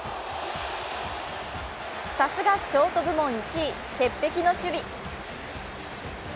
さすがショート部門１位、鉄壁の守備。